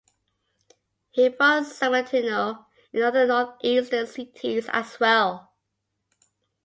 He fought Sammartino in other northeastern cities as well.